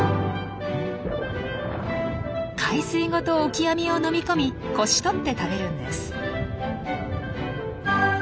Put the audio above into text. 海水ごとオキアミを飲み込みこしとって食べるんです。